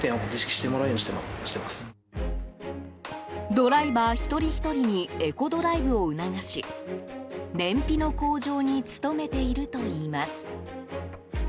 ドライバー、一人ひとりにエコドライブを促し燃費の向上に努めているといいます。